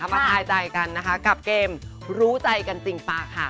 มาถ่ายใจกันกับเกมรู้ใจกันจริงปะค่ะ